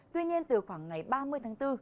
tuy nhiên từ khoảng ngày ba mươi tháng bốn